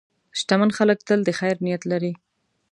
شتمن خلک تل د خیر نیت لري.